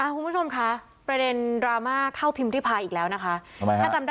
คุณผู้ชมคะประเด็นดราม่าเข้าพิมพิพายอีกแล้วนะคะ